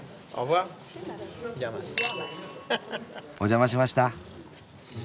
お邪魔しました。